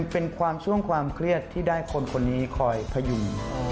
เป็นความช่วงความเครียดที่ได้คนคนนี้คอยพยุง